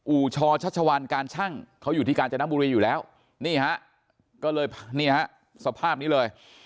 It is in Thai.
อูชอชัชวัลการชั่งเขาอยู่ที่กาญจนบุรีอยู่แล้วนี่ฮะก็เลยนี่ฮะสภาพนี้เลย